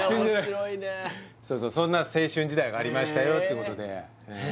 そんな青春時代がありましたよっていうことでへえ